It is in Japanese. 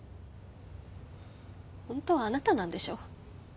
ホントはあなたなんでしょ？